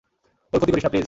ওর ক্ষতি করিস না, প্লিজ!